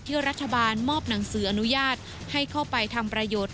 รัฐบาลมอบหนังสืออนุญาตให้เข้าไปทำประโยชน์